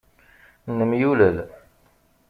Nemyulel.